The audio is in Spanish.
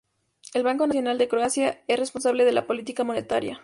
El Banco Nacional de Croacia es responsable de la política monetaria.